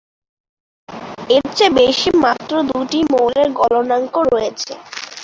এর চেয়ে বেশি মাত্র দুটি মৌলের গলনাঙ্ক রয়েছে।